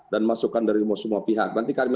masukan dari semua pihak nanti kami